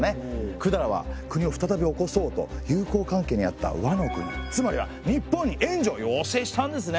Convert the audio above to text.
百済は国を再びおこそうと友好関係にあった倭の国つまりは日本に援助を要請したんですね。